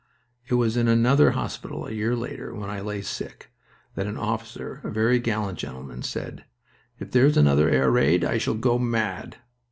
It was in another hospital a year later, when I lay sick again, that an officer, a very gallant gentleman, said, "If there is another air raid I shall go mad."